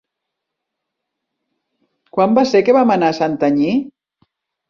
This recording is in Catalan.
Quan va ser que vam anar a Santanyí?